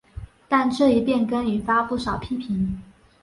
但这一变更引发不少批评。